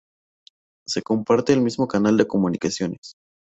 Se comparte el mismo canal de comunicaciones.